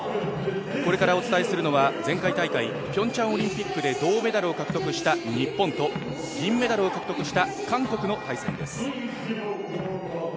これからお伝えするのは前回大会、ピョンチャン大会で銅メダルを獲得した日本と銀メダルを獲得した韓国の対戦です。